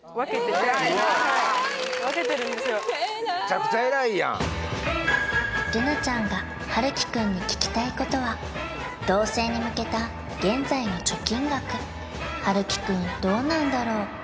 偉いめちゃくちゃ偉いやん瑠奈ちゃんが晴生くんに聞きたいことは同棲に向けた現在の貯金額晴生くんどうなんだろう？